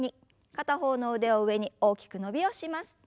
片方の腕を上に大きく伸びをします。